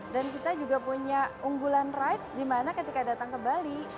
dan kita juga punya unggulan rides di mana ketika datang ke bali